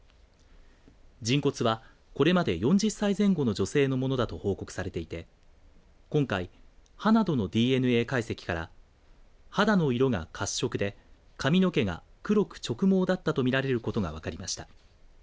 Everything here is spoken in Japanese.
人骨は、これまで４０歳前後の女性のものだと報告されていて今回歯などのＤＮＡ解析から肌の色が褐色で髪の毛か黒く直毛だったと見られることが分かりました。